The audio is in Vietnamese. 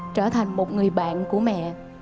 trở thành một người bạn của mẹ